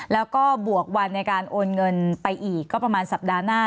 แล้วก็บวกวันในการโอนเงินไปอีกก็ประมาณสัปดาห์หน้า